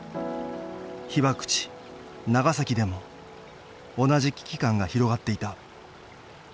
被爆地長崎でも同じ危機感が広がっていた